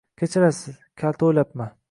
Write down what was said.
-Kechirasiz, kalta o’ylabman.